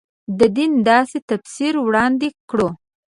د دین داسې تفسیر وړاندې کړو.